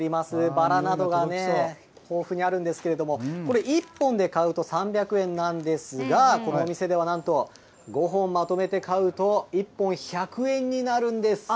バラなどがね、豊富にあるんですけれども、これ、１本で買うと３００円なんですが、このお店ではなんと、５本まとめて買うと、１本１００円になるんです。